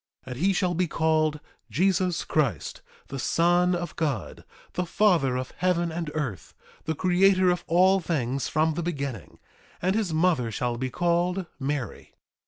3:8 And he shall be called Jesus Christ, the Son of God, the Father of heaven and earth, the Creator of all things from the beginning; and his mother shall be called Mary.